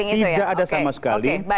tidak ada sama sekali